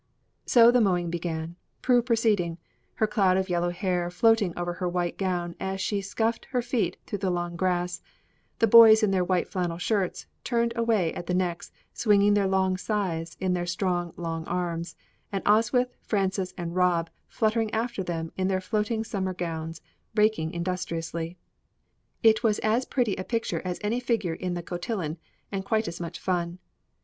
So the mowing began, Prue preceding, her cloud of yellow hair floating over her white gown as she scuffed her feet through the long grass, the boys in their white flannel shirts, turned away at the necks, swinging their long scythes in their strong, long arms, and Oswyth, Frances, and Rob fluttering after them in their floating summer gowns, raking industriously. It was as pretty a picture as any figure in the cotillon and quite as much fun.